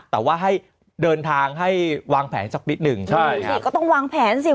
แต่ว่าให้เดินทางให้วางแผนสักนิดหนึ่งใช่สิก็ต้องวางแผนสิ